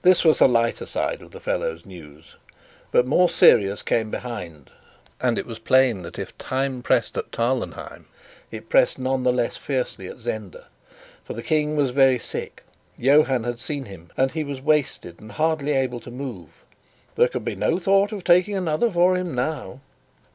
This was the lighter side of the fellow's news; but more serious came behind, and it was plain that if time pressed at Tarlenheim, it pressed none the less fiercely at Zenda. For the King was very sick: Johann had seen him, and he was wasted and hardly able to move. "There could be no thought of taking another for him now."